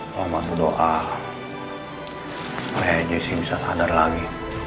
kamu bantu doa radya dan jesse bisa sadar lagi